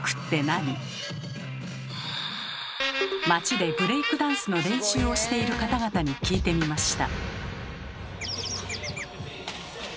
街でブレイクダンスの練習をしている方々に聞いてみました。